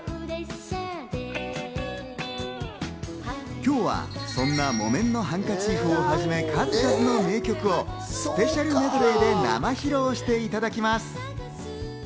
今日はそんな『木綿のハンカチーフ』をはじめ、数々の名曲をスペシャルメドレーで生披露していただきます。